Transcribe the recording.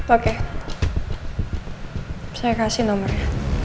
oke saya kasih nomornya